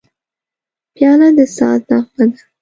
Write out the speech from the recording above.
پیاله د ساز نغمه ده.